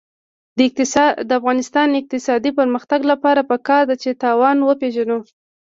د افغانستان د اقتصادي پرمختګ لپاره پکار ده چې تاوان وپېژنو.